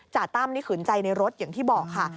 จตั้มนี่ขืนใจในรถอย่างที่บอกค่ะ